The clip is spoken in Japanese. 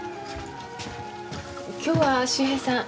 今日は秀平さん